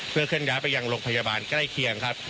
เพื่อเคลื่อนย้ายไปยังโรงพยาบาลใกล้เคียงครับ